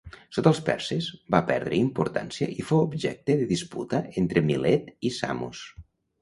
Sota els perses, va perdre importància i fou objecte de disputa entre Milet i Samos.